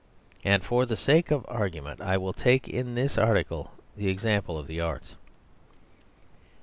And for the sake of argument I will take in this article the example of the arts.